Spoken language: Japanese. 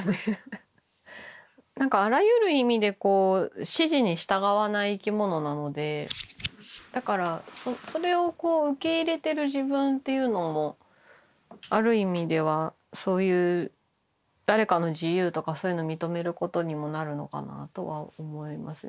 何かあらゆる意味でこう指示に従わない生き物なのでだからそれを受け入れてる自分っていうのもある意味ではそういう誰かの自由とかそういうの認めることにもなるのかなとは思いますね。